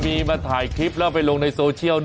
วัยรุ่นที่คุกขนองเป็นอุบัติเหตุในทางที่ผิด